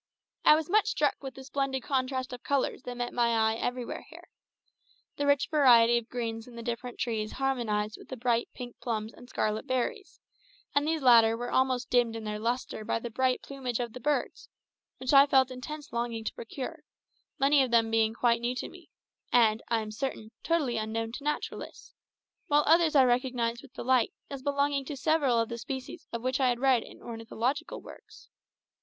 I was much struck with the splendid contrast of colours that met my eye everywhere here. The rich variety of greens in the different trees harmonised with the bright pink plums and scarlet berries, and these latter were almost dimmed in their lustre by the bright plumage of the birds, which I felt intense longing to procure, many of them being quite new to me, and, I am certain, totally unknown to naturalists, while others I recognised with delight as belonging to several of the species of which I had read in ornithological works.